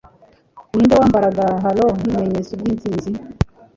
ninde wambaraga halo nk'ikimenyetso cy'intsinzi